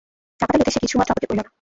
টাকাটা লইতে সে কিছুমাত্র আপত্তি করিল না।